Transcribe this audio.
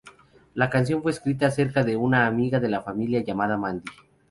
La canción fue escrita acerca de una amiga de la familia llamada "Mandy".